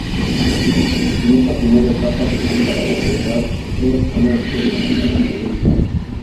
En esta primera etapa, se busca la modalidad e-comerce como canal de venta.